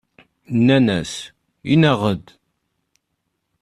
Nnan-as: "Ini-aɣ-d."